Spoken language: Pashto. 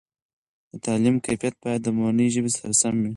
دتعلیم کیفیت باید د مورنۍ ژبې سره سم وي.